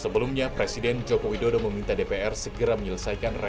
sebelumnya presiden joko widodo meminta dpr segera melakukan revisi undang undang tersebut